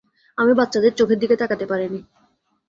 আমি বাচ্চাদের চোখের দিকে তাকাতে পারিনি।